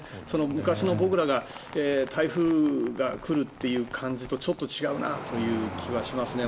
昔の、僕らが台風が来るっていう感じとちょっと違うなという気はしますね。